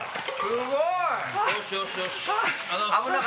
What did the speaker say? すごいな！